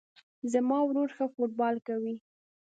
زما ورور ښه فوټبال کوی